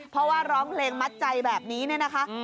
เพราะว่าร้องเพลงมัดใจแบบนี้เนี่ยนะคะ